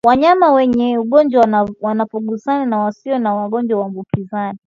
Wanyama wenye ugonjwa wanapogusana na wasio na ugonjwa huambukizana